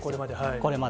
これまで。